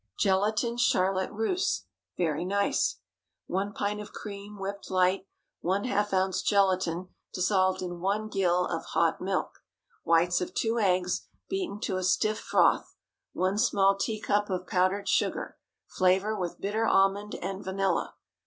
GELATINE CHARLOTTE RUSSE. (Very nice.) ✠ 1 pint of cream, whipped light. ½ oz. gelatine, dissolved in 1 gill of hot milk. Whites of 2 eggs, beaten to a stiff froth. 1 small teacup of powdered sugar. Flavor with bitter almond and vanilla.